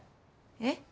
えっ。